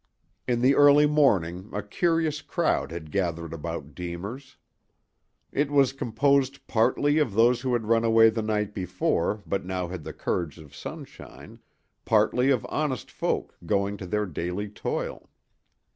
In the early morning a curious crowd had gathered about "Deemer's." It was composed partly of those who had run away the night before, but now had the courage of sunshine, partly of honest folk going to their daily toil.